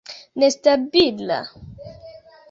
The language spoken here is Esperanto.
nestabila